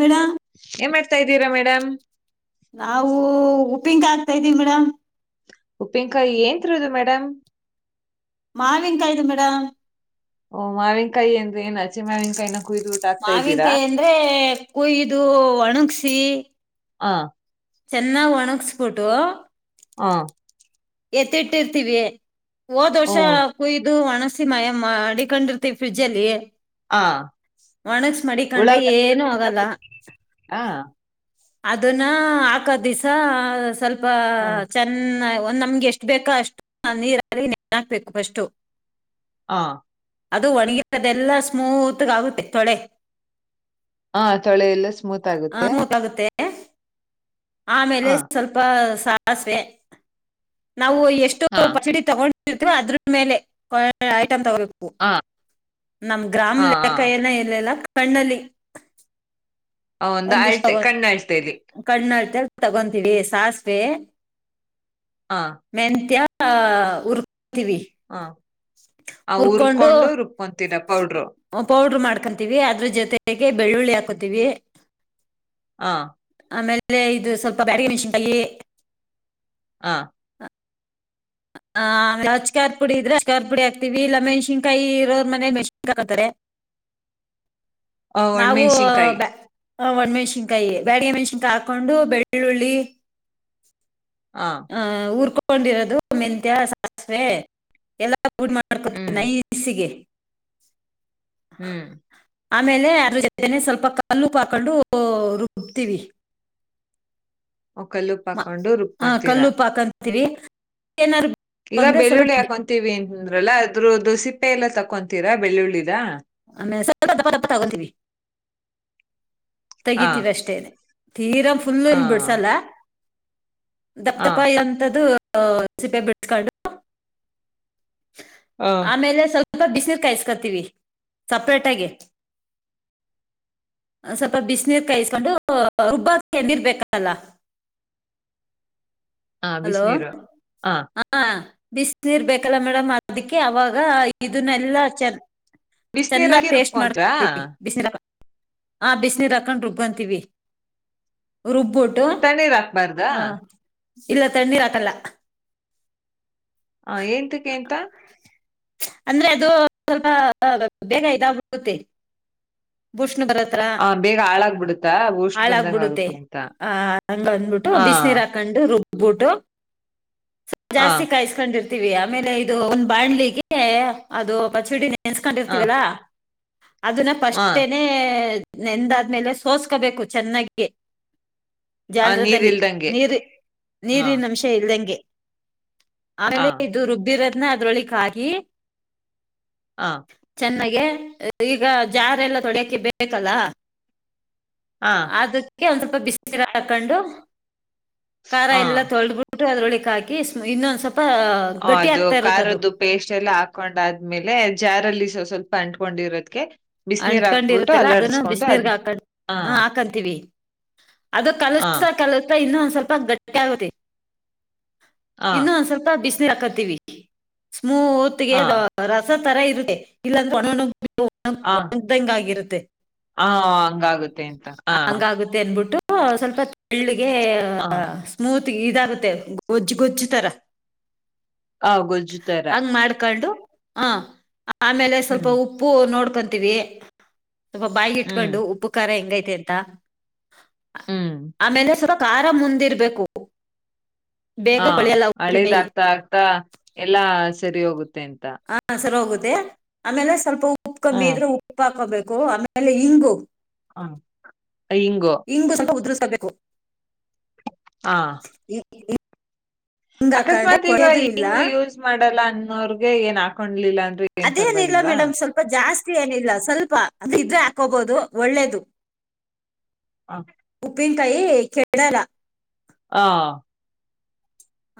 Madam M ಡಮ್ ನಾವು ಊ ಪಿಂಕ್ ಆಗ್ತಾ ಇದೀನೀ ಮೇಡಮ್ ಉಪ್ಪಿನಕಾಯಿ ಏನ್ತೃದ್ದು ಮೇಡಮ್? ಮಾವಿನ್ ಕಾಯ್ದು ಮೇಡಮ್. ಓ ಮಾವಿನ್ ಕಾಯಿ ಅಂದ್ರೇನ್ ಅಚೆ ಮಾವಿನ್ಕಾಯಿನ? ಮಾವಿನ್ಕಾಯಿ ಅಂದ್ರೆ ಕುಯ್ದು ಒಣಗ್ಸಿ ಆ ಚೆನ್ನಾಗ್ ಒಣಗಸ್ಬಿಟ್ಟು ಆ ಎತ್ತಿಟ್ಟಿರ್ತೀವಿ. ಹೋದ್ ಓ ವರ್ಷ ಕುಯ್ದು ಒಣಸ್ ಸಿ ಮಾಯ ಮಾಡಿಕೊಂಡಿರ್ತಿವಿ ಫ್ರಿಡ್ಜ್ ಅಲ್ಲಿ ಆ ಒಣಗ್ಸ್ ಮಡಿಕಂಡ್ರೆ ಉಳ್ಳಾಗಡ್ಡಿ ಏನು ಆಗಲ್ಲ. ಆ ಅದುನ್ನ ಹಾಕೋ ದಿಸ ಸಲ್ ಪಾ ಆ ಚೆನ್ನಾಯ್ ಓ ನಮ್ ಎಷ್ಟು ಬೇಕಾ ಅಷ್ಟು ನಾ ನೀರಲ್ಲಿ ನೆನೆ ಹಾಕ್ಬೇಕು ಫಷ್ಟು. ಆ ಅದು ಒಣಿಗಿರದೆಲ್ಲ ಸ್ಮೂತ್ಗ ಆಗುತ್ತೆ ತೊಳೆ ಹಾ ತೊಳೆ ಎಲ್ಲ ಸ್ಮೂತ್ ಆಗುತ್ತೆ ಸ್ಮೂತ್ ಆಗುತ್ತೆ ಆಮೇಲೆ ಆ ಸ್ವಲ್ಪ ಸಾಸ್ವೆ ನಾವು ಎಷ್ಟೋ ಆ ಪಚಿಡಿ ತಗೊಣ್ ಡಿರ್ತೀವೋ ಅದ್ರು ಮೇಲೆ ಕೋ ಐಟಮ್ ತಗೋಬೇಕು. ಆ ನಮ್ ಗ್ರಾಮ್ ಆ ಲೆಕ್ಕ ಏನ ಇಲ್ಲಲ್ಲ ಕಣ್ಣಲಿ ಹ ಒಂದು ಅಳ್ತೆ ಕಣ್ ಅಳ್ತೇಲ್ಲಿ ಕಣ್ಣಲ್ಲಿ ತಗೊಂತೀವಿ ಸಾಸ್ವೆ ಆ ಮೆಂತ್ಯ ಆ ಉರ್ ತಿವಿ ಆ ಆ ಹುರ್ಕೊಂಡು ರುಬ್ಕೊಂತೀರ ಪೌಡ್ರು ಪೌಡ್ರ ಮಾಡ್ಕೊಂತೀವಿ ಅದ್ರ ಜೊತೆಗೆ ಬೆಳ್ಳುಳ್ಳಿ ಹಾಕೋತೀವಿ. ಹ ಆಮೇಲೆ ಇದು ಸ್ವಲ್ಪ ಬ್ಯಾಡಗಿ ಮೆಣಸಿನಕಾಯಿ ಆ ಹ ಅಚ್ಕಾರದ್ ಪುಡಿ ಇದ್ರೆ ಅಚ್ಕಾರ್ ಪುಡಿ ಹಾಕ್ತೀವಿ ಇಲ್ಲ ಮೆಣ್ಸಿನ್ಕಾಯಿ ಇರೋರ್ ಮನೆ ಮೆಣಸಿನ್ಕಾಯ್ ಕತಾರೆ. ಆ, ನಾವು ಒಣಮೆಣ್ಸಿನ್ಕಾಯಿ ಬ್ಯ ಹ ಒಣ್ ಮೆಣ್ಸಿನ್ಕಾಯಿ ಬ್ಯಾಡ್ಗೆ ಮೆಣ್ಸಿನ್ಕಾಯಿ ಹಾಕೊಂಡು ಬೆಳ್ಳುಳ್ಳಿ ಆ ಹ ಊರ್ ಕೊ ಕೊಂಡಿರೋದು ಮೆಂತ್ಯ, ಸಾಸ್ವೆ ಎಲ್ [unintelligible] ಮಾಡ್ಕೊ ಹ್ಮ್ ನೈನ್ಸಿಗೆ ಹ್ಮ್ ಆಮೇಲೆ ಅದ್ರ ಜೊತೆನೆ ಸ್ವಲ್ಪ ಕಲ್ಲುಪ್ಪು ಪಾಕೊಂಡು ರುಬ್ತೀವಿ ಒ ಕಲ್ಲುಪ್ಪ ಹಾಕೊಂಡು ರುಬ್ ಹಾ ಕಲ್ಲುಪ್ಪು ಹಾಕಂದ ತಿರಿ ಈಗ ಬೆಳ್ಳುಳ್ಳಿ ಹಾಕೊಂತೀವಿ ಅಂದ್ರಲ್ಲ ಅದ್ರದುಸಿಪ್ಪ ಸಿಪ್ಪೆ ಎಲ್ಲ ತಕೊಂತೀರಾ ಬೆಳ್ಳುಳ್ಳಿದ [unintelligible] ಹಾ ತೆಗತಿವಿ ಅಷ್ಟೇನೆ ತೀರಾ ಫುಲ್ಲು ಹಾ ಎನ್ ಬಿಡ್ಸಲ್ಲ ಹಾ ದಪ್ಪತಪ್ಪ ಎಂತದ್ದು ಹ ಸಿಪ್ಪೆ ಬಿಡಸ್ಕೊಂಡು ಹಾ ಆಮೇಲೆ ಸ್ವಲ್ಪ ಬಾ ಬಿಸ್ ನೀರ್ ಕಾಯ್ಸ್ಕೋತಿವಿ ಸೆಪರೇಟೆ ಆಗಿ ಸಲ್ ಪ ಬಿಸಿನೀರ್ ಕಾಯಿಸಸ್ಕೊಂಡು [inaudible] ರುಬ್ಬಾಕ ನೀರ್ ಬೇಕಾಲ್ಲ ಹಲೋ ಬಿಸಿನೀರು ಹಾ ಬಿಸ ನೀರ್ ಬೇಕಲ್ಲ ಮೇಡಮ್ ಅದಕ್ಕೆ ಅವಾಗ ಇದನ್ನೆಲ್ಲ ಚ ಬಿಸಿನೀರಾಕಿ ರುಬ್ಕೊಂಟ ಹ ಬಿಸ ನೀರು ಹಕೊಂಡ್ ರುಬ್ಬಂತೀವಿ ತಣೀರ್ ಹಕ್ಬಾರ್ದಾ? ಇಲ್ಲ ತಣ್ಣೀರು ಹಾಕಲ್ಲ ಹ ಎಂತಕ್ಕೆ ಎಂತ ಅಂದ್ರೆ ಅದು ಸ್ವಲ್ಪ ಬೇಗ ಇದಾಗಬುತ್ತೆ ಬುಸ್ ಬರತ್ರ ಹಾ ಬೇಗ ಹಾಳಾಗ್ಬಿಡುತ್ತಾ ಬೂಸ್ಟ್ ಬಂದಂಗ ಹಾಳಾಗಬಿಡುತ್ತೆ ಆಗುತ್ತೆ ಅಂತ ಆ ಹಂಗಂದ್ಬಿಟ್ಟು ಹಾ ಬಿಸಿನೀರು ಹಾಕೊಂಡು ರುಬ್ ಬೂಟು ಹಾ ಜಾಸ್ತಿ ಕಾಯಸ್ಕೊಂಡಿರ್ತ ಟಿವಿಯಂ ಆಮೇಲೆ ಇದು ಒಂದು ಬಾಣ್ಲಿಗೆ ಅದು ಪಚಡಿ ನೆನೆ ಹಾ ನೆನ್ಸ್ಕೊಂಡಿರ್ತೀವಲ್ಲಾ ಅದನ್ನ ಹಾ ಫಷ್ಟೇನೆ ನೆಂದಾದ್ಮೇಲೆ ಸೋಸ್ಕೋಬೇಕು ಚೆನ್ನಾಗಿ ಆ ನೀರ್ ಜಾಲರದಲ್ಲಿ ಇಲ್ದಂಗೆ ನೀರು ಹಾ ನೀರಿನ ಅಂಶ ಇಲ್ಲಂಗೆ ಹಾ ಆಮೇಲೆ ರುಬ್ಬಿರದ್ನ ಅದ್ರಳಿ ಕಕಿ ಹ ಚೆಗೆ ಈಗ ಜಾರೆಲ್ಲ ತೊಡಕ ಬೇಕಲ್ಲ ಹಾ ಅದಕ್ಕೆ ಒಂದ್ ಸ್ವಲ್ಪ ಬಿಸಿನೀರ ಹಾಕೊಂಡು ಖಾರ ಹಾ ಎಲ್ಲ ತೊಳ್ದಬಿಟರು ಅದ್ರೊಳಗೆ ಹಾಕಿ ಇನ್ನೊಂದ್ ಸ್ವಲ್ಪ ಹ ಗಟ್ಟಿ ಅದು ಆಗ್ತಾ ಇರುತ್ತೆ ಅದು ಖಾರದ್ದು ಪೇಸ್ಟ್ ಎಲ್ಲ ಹಾಕೊಂಡ ಆದ್ಮೇಲೆ ಜಾರಲ್ಲಿ ಸ್ವಲ್ಪ ಪಂಟ್ಕೊಂಡಿರೋದಕ್ಕೆ ಅಂಟ್ಕೊಂಡ್ಇರುತ್ತಲ್ಲಾ ಅದನ್ನು ಬಿಸಿನೀರ್ಗ ಹಾಕೊಂಡ ಆ ಹ ಹಾಕಂತೀವಿ ಅದು ಆ ಕಲಸ್ತಾ ಕಲಸ್ತ ಇನ್ನು ಸ್ವಲ್ಪ ಗಟ್ಟಿ [unintelligible] ಆ ಇನ್ನು ಒಂದ ಸ್ವಲ್ಪ ಬಿಸ್ ಸಾಕತೀವಿ [unintelligible] ಆ [unintelligible] ಒಂದಂಗ ಆಗಿರುತ್ತೆ ಹಾ ಹಂಗಾಗುತ್ತೆ ಹ ಹ ಸ್ವಲ್ಪ ತಿಳ್ಳಿಗೆ ಗೆ ಸ್ಮೂತ್ ಇದಾಗುತ್ತೆ ಗೊಜ್ಜ್ ಗೊಜ್ಜ್ತರ ಹ ಗೊಜ್ಜತಾರ ಹಾ ಆಮೇಲೆ ಸ್ವಲ್ಪ ಉಪ್ಪು ನೋಡ್ ಬಂತೀವಿ ಬಾಯಿಗೆ ಹ್ಮ್ ಇಟ್ಕೊಂಡ ಉಪ್ಪ ಖಾರ ಹೆಂಗೈತೆ ಯತ ಹ್ಮ್ ಆಮೇಲೆಸವರ ಕಾರ ಮುಂದಿರ್ಬೇಕು ಬೇಗ ಹಾ ಕೊಳೆಯಲ್ಲ ಹಳೇದ ಉಪ್ಪಿನಕಾಯಿ ಆಗ್ತಾ ಆಗ್ತಾ ಎಲ್ಲಾ ಸರಿ ಹೋಗುತ್ತೆ ಅಂತ ಹಾ ಸರೋಗೋದ್ ಆಮೇಲೆ ಸ್ವಲ್ಪ ಉಪ್ ಕಮ್ಮಿ ಹ್ಮ್ ಇದ್ರೆ ಉಪ್ ಹಾಕೋಬೇಕು ಓ ಆಮೇಲೆ ಹಿಂಗು ಹಾ ಇಂಗು [unintelligible] ಹಾ ಇ ಅಕಸ್ಮಾತ್ ಈಗ ಹಿಂಗ್ ಯೂಸ್ ಮಾಡಲ್ಲ ಅ ಅವ್ರ್ಗೆ ಏನ್ ಹಾಕೊಂಡ್ ಅದೇನಿಲ್ಲ ಮೇಡಮ್ ಸ್ವಲ್ಪ ಜಾಸ್ತಿ ಏನಿಲ್ಲ ಸ್ವಲ್ಪ ಕೊಬೋದು ಒಳ್ಳೇದು ಹ ಕೈ ಕೇಳಲ್ಲ ಹ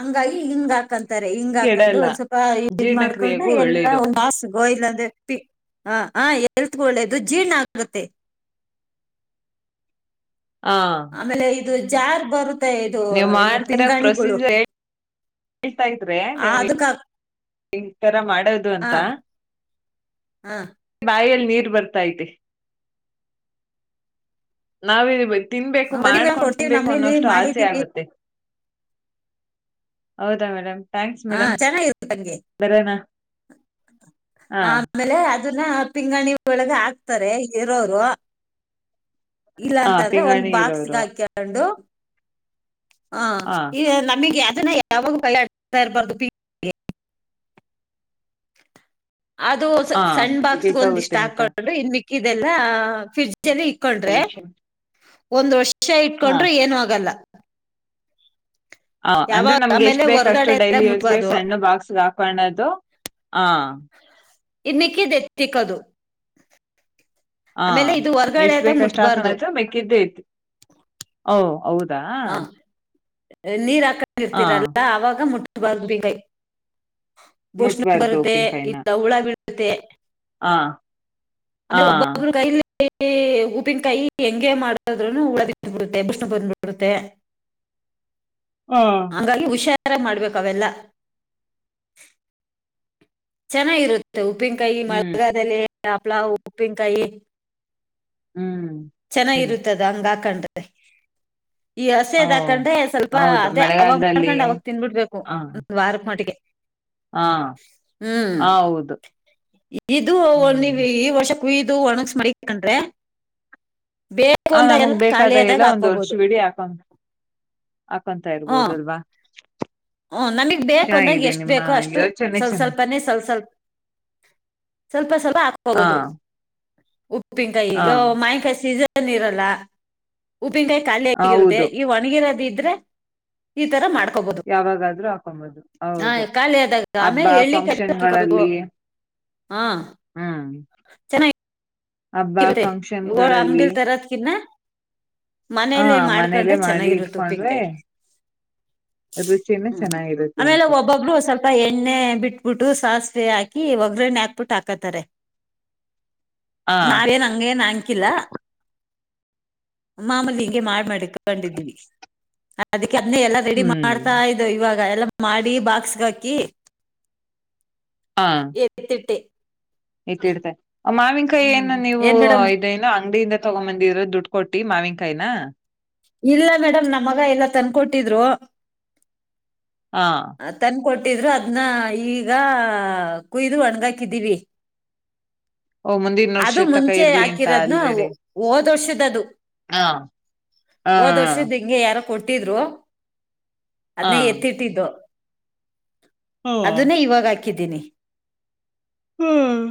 ಅಂಗಾಗಿ ಇಂಗ್ ಹಾಕ್ ತಾರೆ ಹಿಂಗ್ ಹಾಕ್ಕನ್ಡು ಕೆಡಲ್ಲ ಒಂದ್ ಸ್ವಲ್ಪ ಇಡ್ ಮಾಡ್ಕೊಂಡು ಜೀರ್ಣಕ್ರಿಯೆಗೂ ಎಲ್ಲ ಒಳ್ಳೇದು [inaudible] ಗೋಯ್ಲ ಅಂದ್ರೆ ಪಿ ಹ ಹ ಎಲ್ತ್ಕೊಳ್ಳೆದು ಜೀರ್ಣ ಆಗತ್ತೆ ಆಮೇಲೆ ಜಾರ್ ಬರು ನೀವು ಮಾಡ್ತರೊ ಪ್ರೊಸೀಜರ್ ಹೇಳ್ತಾ ಇದ್ರೆ ಆ, ನೀವು ಅದಕ್ಕ ಈ ತರ ಮಾಡೋದು ಹಾ ಅಂತ ಹಾ ಬಾಯಲ್ ನೀರು ಬರ್ತಾಐತೆ ನಾವೂ ತಿನ್ಬೇಕು ಬನ್ನಿ ಮೇಡಮ್ ಮಾಡ್ಕೊಂಡು ಕೊಡ್ತೀವಿ ತಿನ್ಬೇಕು ನಮ್ಮನೇಲಿ ಅನ್ನೋಷ್ಟು ಆಸೆ ಮಾಡಿದೀವಿ ಆಗುತ್ತೆ ಹೌದಾ ಮೇಡಮ್ ಥ್ಯಾಂಕ್ಸ್ ಹಾ ಮೇಡಮ್ ಚೆನ್ನಾಗಿರುತ್ತಂಗೆ ಬರೋಣ ಹಾ ಆಮೇಲೆ ಅದನ್ನ ಪಿಂಗಾಣಿ ಒಳಗೆ ಹಾಕ್ತಾರೆ ಇರೋರು ಹಾ ಇಲ್ಲಾಂತ ಅಂದ್ರೆ ಒಂದ್ ಪಿಂಗಾಣಿ ಬಾಕ್ಸ್ಗ ಇರೋರು ಹಾಕ್ಯಾನ್ಡು ಹ ಹಾ ಈಗ ನಮಿಗೆ ನ ಯಾವಾಗ ಬೆ ಬರ್ದ ಪೀ [unintelligible] ಅದು ಹಾ ಸಣ್ ಬಾಕ್ಸ್ಗ್ ಒಂದ್ ಇಷ್ಟ್ ಕೆಟ್ಟೋಗುತ್ತೆ ಅಂತ ಹಾಕೊಂಡು ಇನ್ಮಿಕ್ ಇದೆಲ್ಲಾ [unintelligible] ಇಕ್ಕೊಂಡ್ರೆ ಮೆನ್ಷನ್ ಒಂದು ವರ್ಷ್ ವಿಷ ಹಾ ಇಟ್ಕೊಂಡ್ರೆ ಏನು ಆಗಲ್ಲ ಹ ಅಂದ್ರೆ ಯಾವಾಗ ನಮ್ಗೆ ಎಷ್ಟ್ ಆಮೇಲೆ ಬೇಕ್ ಅಷ್ಟು ಹೊರಗಡೆ ಡೈಲಿ ಯೂಸ್ಗೆ ಮುಟ್ಬಾರ್ದು ಸಣ್ಣ ಬಾಕ್ಸ್ ಹಾಕ್ತ ಪಣದು ಹ ಇನ್ನಕ್ಕೆ ಇದೆ ಎತ್ತಕ್ಕದು ಹ ಎಷ್ಟ ಬೇಕಷ್ಟ ಹಾಕಣ ಮುಟ್ಬಾರ್ದು ಆಯ್ತ ಮೆಕ್ಕಿದ್ದೇ ಐತಿ ಓ ಹೌದು ಹೌದ ನೀರಾ ಕೀರ್ತಿ ರಲ್ಲ ಆವಾಗ ಮುಟ್ ಬಸ ಬಿ ಗಯ ಭೂಷಣ ಮುಟ್ಬಾರ್ದು ಬರುತ್ತೆ ಉಪ್ಪಿನಕಾಯಿನ ಇಲ್ಲ ಹುಳ ಬೀಳುತ್ತೆ ಹಾ ಹಾ ಅಂದ್ರೆ ಒಬ್ಬೊಬರ ಕೈಯಲಿ. ಕೈ ಉಪ್ಪಿನಕಾಯಿ ಹೆಂಗೆ ಮಾಡಿದ್ರುನೂ ಉಳದಿಲ್ಲ ಬಿಡು [unintelligible] ಬಿಡತ್ತೆ. ಹಾ ಹಂಗಾಗಿ ಹುಷಾರ. ಆಗಿ ಮಾಡ್ಬೇಕ ಅವೆಲ್ಲ. ಚೆನ್ನಾಗಿರುತ್ತೆ ಉಪ್ಪ. ಉಪ್ಪಿನಕಾಯಿ ಹ್ಮ್ ಮಳೆಗಾಲದಲ್ಲಿ. ಹಪ್ಳ ಉಪ್ಪಿನಕಾಯಿ. ಹ್ಮ್. ಚೆನ್ನಾಗ ಹ್ಮ್ ಇರುತ್ತದ ಹಂಗ. ಹಾಕಂಡ್ರೆ. ಈ ಓ ಹಸೆದ ಹಾಕಂಡ್ರೆ ಸ್ವಲ್ಪ ಹೌದು ಅದೇ ಅವಾಗ ಮಳೆಗಾಲದಲ್ಲಿ ಮಾಡ್ಕೊಂಡ ಅವಾಗ ತಿನ್ಬಿಡ್ಬೇಕು ಹ ಒಂದ ವಾರಕ್ಕ ಮಟ್ಟಗೆ. ಹಾ ಹಾ ಹೌದು. ಇದು ಹ್ಮ್ ನೀವ ಈ ವರ್ಷ. ಕುಯ್ದು ಒಣಗ್ಸ ಮಡಿಕೊಂಡ್ರೆ. ಬೇಕು ಹ ಅಂದಾಗ ನಮಗ ಎಲ್ಲ ಖಾಲಿ ಬೇಕಾದಾಗ ಎಲ್ಲ ಆದಾಗ ಒಂದ್ ಹಾಕೋಬಹುದು ವರ್ಷವಿಡಿ ಹಾಕಂ ಹಾಕಂತ. ಕಂತ ಇರ್ಬೋದಲ್ವಾ. ಹೂ ನಮಗ ಬೇಕು ಅಂದಾಗ ಚೆನ್ನಾಗಿದೆ ಎಷ್ಟು ನಿಮ್ಮ ಬೇಕೋ ಅಷ್ಟು ಯೋಚನೆ ಸ್ವಲ ಚೆನ್ನಾಗಿ ಸ್ವಲ್ಪನೆೇ ಸ್ವಲ್ ಸ್ವಲ್ಪ ಸ್ವಲ್ಪ ಸ್ವಲ್ಪ ಹಾ ಹಾಕೋಬಹುದು. ಉಪ್ಪಿನ ಕಾಯಿ ಹಾ [unintelligible] ಮಾವಿನ ಕಾಯಿ ಸೀಸನ್. ರಲ್ಲ. ಉಪ್ಪಿನಕಾಯಿ ಖಾಲಿ ಆಗಿರುತ್ತೆ ಹೌದು ಈ ಒಣಗಿರದ. ದ್ರೆ ಈ ತರ ಮಾಡ್ [unintelligible] ಆದ್ರೂ ಹಾಕೊಂಬಹುದು, ಹೌದು ಆದಾಗ ಹಬ್ಬ ಆಮೇಲೆ ಎಳ್ಳಿ ಹಾಕೋಬೇಕು ಫಂಕ್ಷನ್ಗಳಲ್ಲಿ ಹಾ ಹ್ಮ್ ಹಬ್ಬ ಇರುತ್ತೆ, ಇವಾಗ ಫಂಕ್ಷನ್ಗಳಲ್ಲಿ ಅಂಗ್ಡೀಲ್ ತರದ್ ಕಿನ್ನ ಹಾ ಮನೇಲಿ ಮನೇಲೆ ಮಾಡ್ಕೊಂಡ್ರೆ ಮಾಡಿ ಚೆನ್ನಾಗಿರುತ್ತ ಇಟ್ಕೊಂಡ್ರೆ ಉಪ್ಪಿನ್ಕಾಯಿ ರುಚಿನೂ ಹ್ಮ್ ಚೆನ್ನಾಗಿರುತ್ತೆ ಆಮೇಲೆ ಅಂತ ಒಬ್ಬೊಬ್ರು ಸ್ವಲ್ಪ ಎಣ್ಣೆ ಬಿಟ್ಬಿಟ್ಟು ಸಾಸ್ ತೆ ಹಾಕಿ ಒಗ್ಗರಣೆ ಹಾಕ್ಬಿಟ್ ಹಾಕತಾರೆ. ಹ ನಾವೇನ್ ಹಂಗ ಏನ್ ಹನ್ಕಿಲ್ಲ ಮಾಮೂಲಿ ಹಿಂಗೆ ಮಾಡ ಮಡಿಕೊಂಡಿದೀವಿ. ಅದ ಕದನ್ನೆ ಎಲ್ಲ ರೆಡಿ ಮಾಡ್ತಾ ಇದ್ದೋ ಇವಾಗ ಎಲ್ಲ ಮಾಡಿ ಬಾಕ್ಸ್ಗ ಹಾಕಿ ಎತ್ತಿಟ್ಟೆ. ಎತ್ತಿಡ್ದೆ ಆ ಮಾವಿನಕಾಯಿ ಹ್ಮ್ ಏನು ನೀವು ಏನ್ ಮೇಡಮ್ ಇದೇನು ಅಂಗಡಿಯಿಂದ ತಗೊಂಬಂದಿದ್ರ ದುಡ್ಡು ಕೊಟ್ಟಿ ಮಾವಿನಕಾಯನ ಇಲ್ಲ ಮೇಡಮ್ ನಮ್ಮಗ ಎಲ್ಲ ತಂದಕೊಟ್ಟಿದ್ರು. ಹ ಹಾಂ ತಂದ್ಕೊಟ್ ಕೊಟ್ಟಿದ್ರು, ಅದ್ನ ಈಗ ಕುಯ್ದು ಒಣ್ಗಾಕಿದೀವಿ. ಓ ಮುಂದಿನ ಅದು ವರ್ಷ ತಕ ಮುಂಚೆ ಇರ್ಲಿ ಅಂತ ಹಾಕಿರೋದ್ನ ಆಲ್ರೆಡಿ ಹೋದರ್ಷದದು. ಹ ಹ ಹೋದರ್ಷದ್ ಹಿಂಗೆ ಯಾರೋ ಕೊಟ್ಟಿದ್ರು. ಹ ಅದ್ನೆ ಎತ್ತಿಟ್ಟಿದ್ದೋ ಹ ಅದನ್ನೇ ಇವಾಗ ಹಾಕ್ ಕಿದ್ದೀನಿ ಹ್ಮ್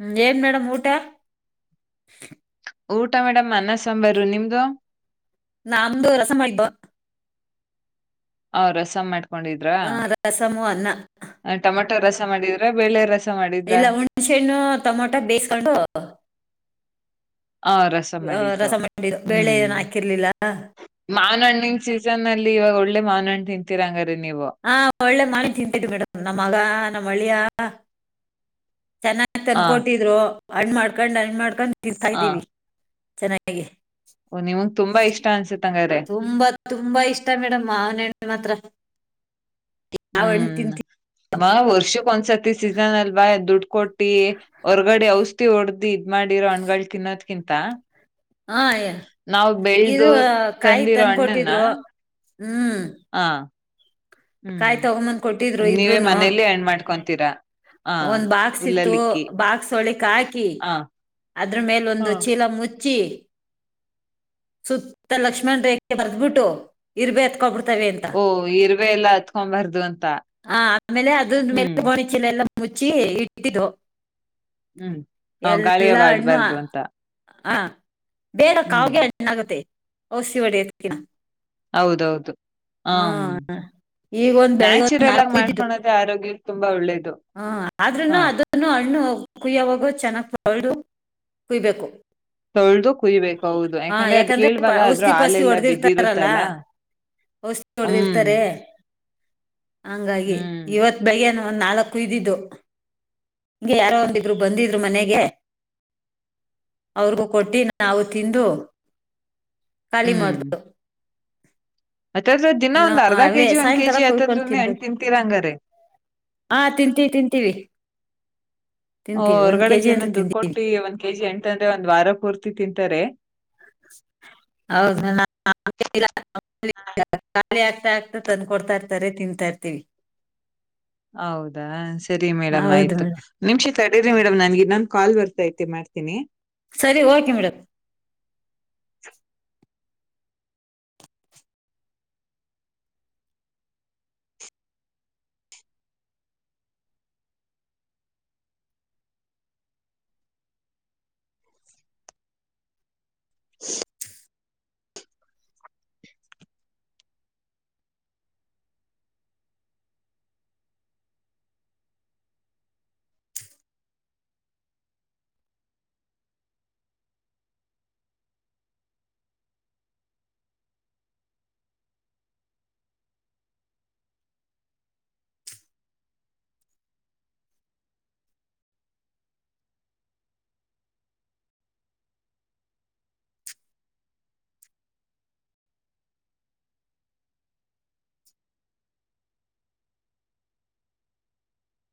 ಹ್ಮ್ ಏನ್ ಮೇಡಮು ಊಟಾ? ಊಟ ಮೇಡಮ್ ಅನ್ನ ಸಾಂಬಾರು ನಿಮ್ದು? ನಮ್ದು ರಸ ಮಾಡಿದ್ದೋ. ಹ್ಮ್ ರಸ ಮಾಡ್ ಮಾಡಿದ್ರಾ, ಹಾ ರಸಮು ಅನ್ನ ಅ ಟಮಟೋ ರಸ ಮಾಡಿದ್ ದೇ ಬೇಳೆ ರಸ್ ಇಲ್ಲ ಹುಣ್ಸೆಣ್ಣು ಟೊಮೊಟ ಬೇಸ್ಗೊಂಡು ಹ ರಸ ಮಾಡಿದ್ದು ರಸ ಮಾಡಿದ್ದು ಬೇಳೆ ಹ್ಮ್ ಏನು ಹಾಕಿರ್ಲಿಲ್ಲ ಮಾವಿನ ಹಣ್ಣಿನ್ ಸೀಸನ್ ಅಲ್ಲಿ ಇವಾಗ್ ಒಳ್ಳೆ ಮಾವಿನ್ ಹಣ್ ತಿಂತೀರ್ ಹಂಗಾರ್ ಹಾ ಒಳ್ಳೆ ಮಾಡಿ ತಿನ್ನತ ಇದ್ವಿ ಮೇಡಮ್ ನಮ್ಮ ಮಗ ನಮ್ಮ ಅಳಿಯ. ಯ. ಚೆನ್ನಾಗ ಹ ತಂದಕೋಟ್ಟಿದ್ರು. ಹಣ್ಣ ಮಾಡ್ಕೊಂಡ ಹಣ್ಣ ಮಾಡ್ಕೊಂಡ. ತಿಂತಾ ಹ ಇದ್ದೀವಿ. ಚೆನ್ನಾಗಿ. ಓ ನಿಮ್ಗ ತುಂಬಾ ಇಷ್ಟ ಅನ್ಸುತ್ತ. ತುಂಬಾ ತುಂಬಾ ಇಷ್ಟ ಮೇಡಮ್ ಮಾವನ ಹಣ್ಣ ಮಾತ್ರ. ಯಾವ ಹಣ್ಣ ತಿನ್ನತಿವಿ. ಮಾವ ವರ್ಷ ಒಂದ್ಸತಿ. [unintelligible] ಸೀಸನ ಅಲ್ವಾ ದುಡ್ಡು ಕೊಟ್ಟಿ ಹೊರ್ಗಡೆ ಔಷಧಿ ಹೊಡದಿ ಇದ ಮಾಡಿರೋ ಹಣ್ಣಗಳ ತಿನ್ನೋದ್ಕಿಂತ. ತಾ. ಹಾ ಹೇಳ್ ಇದು ಕಾಯಿ ತಂದಿರೋ ತಂದ ಹಣ್ಣನ್ನ ಕೊಟ್ಟಿದ್ರು ಹ್ಮ್ ಹ ಹ್ಮ್ ಕಾಯಿ ತಗೊಂಬಂದ್ ಕೊಟ್ಟಿದ್ರು ನೀವೇ ಇಬ್ರೂನು ಮನೇಲಿ ಹಣ್ ಮಾಡ್ಕೊಂತೀರಾ ಹ ಒಂದ್ ಬಾಕ್ಸ್ ಇತ್ತು ಹುಲ್ಲಲಿಕ್ಕಿ ಬಾಕ್ಸ್ ಒಳಿ ಹಾಕಿ ಆ ಅದ್ರ ಮೇಲೆ ಒಂದು ಹ ಚೀಲ ಮುಚ್ಚಿ ಮುಚ್ಚಿ ಸುತ್ತ ಲಕ್ಷ್ಮಣ ರೇಖೆ ಬರ್ದ ಬಿಟ್ಟು ಇರ್ಬೇಕ ಓ ಇರ್ವೆ ಎಲ್ಲ ಹತ್ಕೊಬಾರ್ದು ಅಂತ ಹ ಆಮೇಲೆ ಅದ ಹ್ಮ್ ಮೇಲೆ ಗೋಣಿಚೀಲ ಎಲ್ಲ ಮುಚ್ಚಿ ಇಟ್ಟಿದ್ದು ಹ್ಮ್ ಗಾಳಿಯವಾಡ್ಬಾರ್ದು ಅಂತ ಹಂ ಬೇರೆ ಹ್ಮ್ ಕಾವಗೆ ಹಣ್ಣಗತ್ತೆ ಔಸಿ ಒಡೆಯೊಡಕಿನ್ನ ಹೌದೌದು ಹಾ ಹ್ಮ್ ಈಗ ಒಂದ್ ಬೆಳಿಗ್ಗೆ ಒಂದ್ ನ್ಯಾಚುರಲ್ ಆಗಿ ನಾಲ್ಕು [unintelligible] ಮಾಡ್ಕೊಳೋದೆ ಆರೋಗ್ಯಕ್ಕೆ ತುಂಬಾ ಒಳ್ಳೇದು ಹ ಹಾ ಆದ್ರೂನು ಅದನ್ನು ಹಣ್ಣು ಕುಯ್ಯವಾಗೋ ಚೆನ್ನಾಗ್ ಪಡುು ಕುಯ್ಬೇಕು ತೊಳ್ದು ಕುಯ್ಬೇಕೌದು ಹಾ ಯಾಕಂದ್ರೆ ಅದ ಕೇಳುವಾಗ ಪ- ಅ್ರೂ ಔಷಧಿ ಪಾಸಿ ಹಾಲೆಲ್ಲ ಹೊಡೆದಿರ್ತಾರಲ್ಲ ಬಿದ್ದಿರುತ್ತಲ್ಲ ಔಷಧಿ ಹ್ಮ್ ಹೊಡೆದಿರ್ತಾರೆ ಹಂಗಾಗಿ ಹ್ಮ್ ಇವತ್ ಬೈನ ನಾಲ್ಕು ಕುುದ್ದಿದ್ದು ಹಿಗೆ ಯಾರೋ ಒಂದಿದ್ರು ಬಂದಿದ್ರು ಮನೆಗೆ ಅವ್ರಿಗೂ ಕೊಟ್ಟಿ ನಾವು ತಿಂದು ಖಾಲಿ ಮಾಡ್ದು ಅ್ದ್ರ ದಿನ ಇನ್ನು ಒಂದ್ ಅರ್ಧ ಅವೇ ಕೆಜಿ ಒಂದ್ ಸಾಯಂಕಾಲ ಕೆಜಿ ಕುಯ್ಕೊಂಡ್ ಆಯತದ್ರನೆೇ ಅಂು ತಿನ್ಬೇಕು ತಿಂತೀರಂಗಾರ ಹಾ ತಿಂತೀವಿ ತಿಂತೀವಿ ತಿಂತೀವಿ ಒಂದ್ ಹೊರ್ಗಡೆ ಕೆಜಿ ಅಂತ ಜನನ್ ದುಡ್ಡು ತಿಂತೀವಿ ಕೊಟ್ಟಿ ಒಂದ್ ಕೆಜಿ ಎಂಟ ಅಂದ್ರೆ ಒಂದ್ ವಾರ ಕೂರ್ತಿ ತಿಂತಿ ರೆ ಹೌದು ಬ ಆಗ್ತಾ ಆಗ್ತಾ ತಂದ್ಕೊಡ್ತಾ ಇರ್ತಾರೆ ತಿನ್ಂತಾ ಇರ್ತೀವಿ ಹೌದಾ ಸರಿ ಮೇಡಮ್ ಹೌದು ಆಯ್ತು ಮೇಡಮ್ ನಿಮ್ಷ ತಡರಿ ಮೇಡಮ್ ನನ್ಗೆ ನನ್ ಕಾಲ್ ಬರ್ತಾ ಇತ್ತು ಮಾಡ್ತೀನಿ ಸರಿ ಓಕೆ ಮೇಡಮ್ ಹ [inaudible]